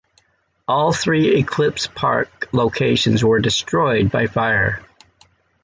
All three Eclipse Park locations were destroyed by fire.